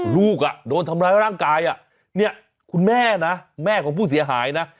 ลูกอ่ะโดนทำร้ายร่างกายอ่ะเนี่ยคุณแม่นะแม่ของผู้เสียหายนะ